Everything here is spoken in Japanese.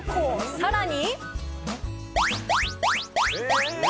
さらに。